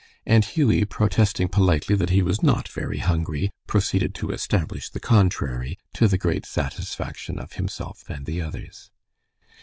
And Hughie, protesting politely that he was not very hungry, proceeded to establish the contrary, to the great satisfaction of himself and the others.